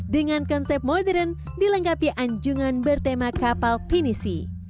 dengan konsep modern dilengkapi anjungan bertema kapal pinisi